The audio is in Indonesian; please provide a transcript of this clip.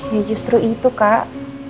ya justru itu kak